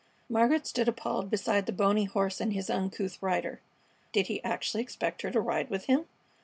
Margaret stood appalled beside the bony horse and his uncouth rider. Did he actually expect her to ride with him?